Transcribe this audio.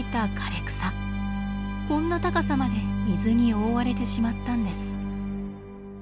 こんな高さまで水に覆われてしまったんです。